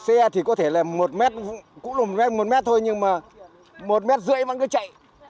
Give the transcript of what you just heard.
xe thì có thể là một mét cũng lùng lên một mét thôi nhưng mà một mét rưỡi vẫn cứ chạy